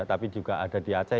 tapi juga ada di aceh